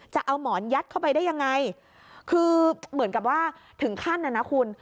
จะเอาหมอนยัดเข้าไปได้ยังไงคือเหมือนกับว่าถึงขั้นน่ะนะคุณ